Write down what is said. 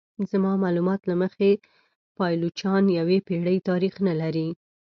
زما معلومات له مخې پایلوچان یوې پیړۍ تاریخ نه لري.